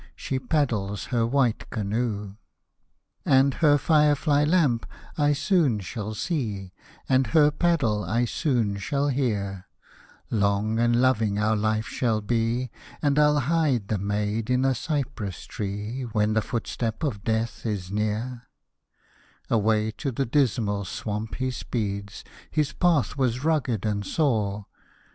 She paddles her white canoe. 96 Hosted by Google THE LAKE OF THE DISMAL SWAMP 97 " And her fire fly lamp I soon shall see, And her paddle I soon shall hear ; Long and loving our life shall be, And I'll hide the maid in a cypress tree, When the footstep of death is near. ' Away to the Dismal Swamp he speeds — His path was rugged and sore.